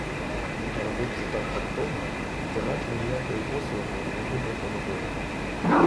Робив це так тактовно, що наче ніякої послуги з його боку не було.